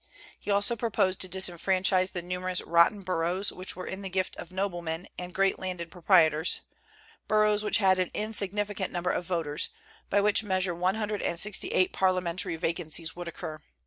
He also proposed to disfranchise the numerous "rotten boroughs" which were in the gift of noblemen and great landed proprietors, boroughs which had an insignificant number of voters; by which measure one hundred and sixty eight parliamentary vacancies would occur.